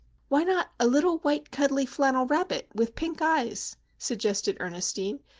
"Why not a little, white, cuddly, flannel rabbit with pink eyes?" suggested Ernestine.